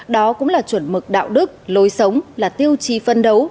đó cũng là chuẩn mực đạo đức lối sống là tiêu chí phân đấu